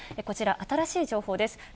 こちら、新しい情報です。